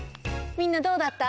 みんなどうだった？